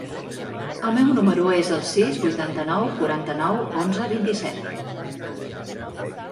El meu número es el sis, vuitanta-nou, quaranta-nou, onze, vint-i-set.